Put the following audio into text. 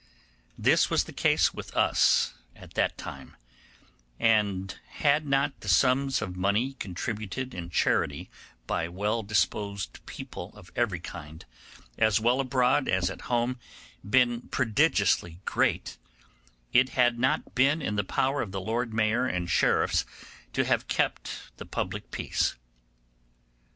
This was the case with us at that time; and had not the sums of money contributed in charity by well disposed people of every kind, as well abroad as at home, been prodigiously great, it had not been in the power of the Lord Mayor and sheriffs to have kept the public peace.